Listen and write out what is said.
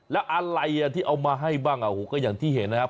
แล้วอะไรที่เอามาให้บ้างก็อย่างที่เห็นนะครับ